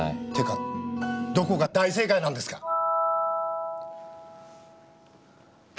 っていうかどこが大正解なんですか！